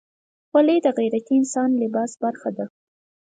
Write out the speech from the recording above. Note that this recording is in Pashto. خولۍ د غیرتي افغان لباس برخه ده.